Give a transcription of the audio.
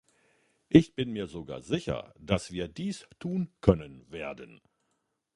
Ich bin mir sogar sicher, dass wir dies tun können werden.